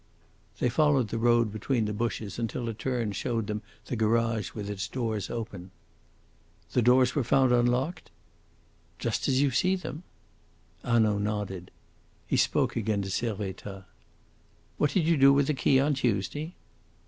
They followed the road between the bushes until a turn showed them the garage with its doors open. "The doors were found unlocked?" "Just as you see them." Hanaud nodded. He spoke again to Servettaz. "What did you do with the key on Tuesday?"